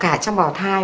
cả trong bò thai